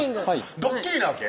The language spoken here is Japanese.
ドッキリなわけ？